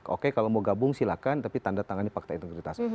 oke kalau mau gabung silahkan tapi tanda tangani fakta integritas